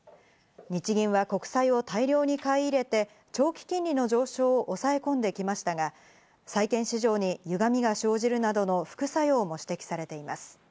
日銀は国債を大量に買い入れて、長期金利の上昇を押さえ込んできましたが、債券市場に歪みが生じるなどの副作用も指摘されています。